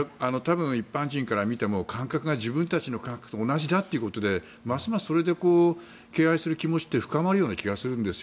一般人から見ても自分たちの感覚と同じだということで、ますます敬愛する気持ちが深まる気がするんです。